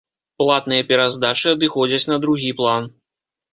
Платныя пераздачы адыходзяць на другі план.